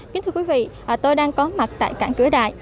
kính thưa quý vị tôi đang có mặt tại cảng cửa đại